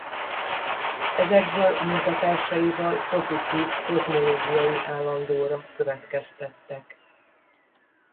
Ezekből munkatársaival pozitív kozmológiai állandóra következtettek.